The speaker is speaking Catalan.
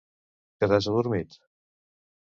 Que t'has adormit?